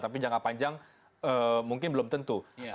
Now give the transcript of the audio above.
tapi jangka panjang mungkin belum tentu